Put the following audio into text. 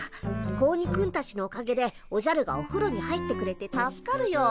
子鬼くんたちのおかげでおじゃるがおふろに入ってくれて助かるよ。